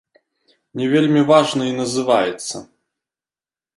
Не вельмі важна і называецца.